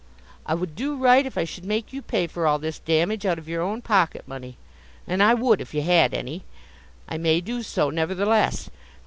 I would do right if I should make you pay for all this damage out of your own pocket money. And I would, if you had any. I may do so, nevertheless.